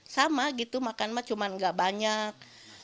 sama gitu makan mah cuma nggak banyak